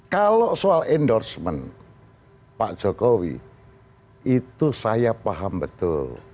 kalau soal endorsement pak jokowi itu saya paham betul